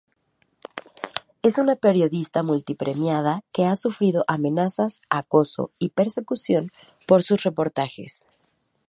Es una periodista multipremiada que ha sufrido amenazas, acoso y persecución por sus reportajes.